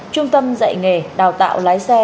trung tâm dạy nghề đào tạo lái xe